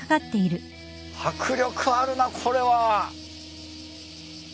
迫力あるなこれは。